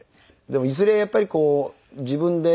でもいずれやっぱりこう自分で。